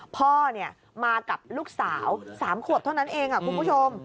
พ่อมากับลูกสาว๓ขวบเท่านั้นเองคุณผู้ชม